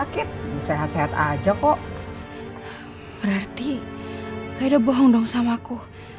kayaknya dia bohong dong sama aku